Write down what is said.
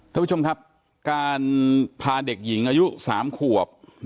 ท่านผู้ชมครับการพาเด็กหญิงอายุ๓ขวบ